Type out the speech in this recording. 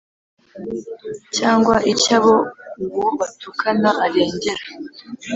cyangwa icy'abo uwo batukana arengera